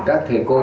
các thầy cô